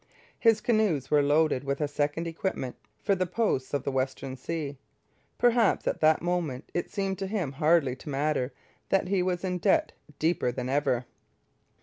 His canoes were loaded with a second equipment for the posts of the Western Sea. Perhaps at that moment it seemed to him hardly to matter that he was in debt deeper than ever.